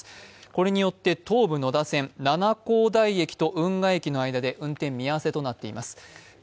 これによって東武野田線の七光台駅と運河駅の間で運転見合わせとなっています。